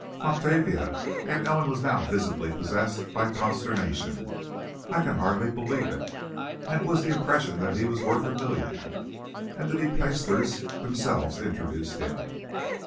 "Octavia!" Aunt Ellen was now visibly possessed by consternation. "I can hardly believe it. And it was the impression that he was worth a million. And the De Peysters themselves introduced him!"